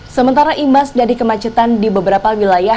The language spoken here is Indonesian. sementara imbas dari kemacetan di beberapa wilayah